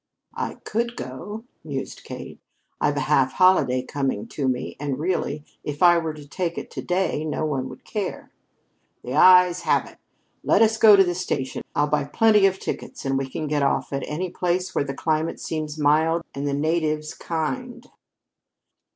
"I could go," mused Kate. "I've a half holiday coming to me, and really, if I were to take it to day, no one would care." "The ayes have it! Let us go to the station I'll buy plenty of tickets and we can get off at any place where the climate seems mild and the natives kind."